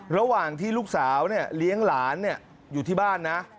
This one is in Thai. ระหว่างที่ลูกสาวเลี้ยงหลานอยู่ที่บ้านนะ